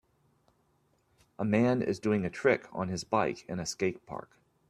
A man is doing a trick on his bike in a skatepark.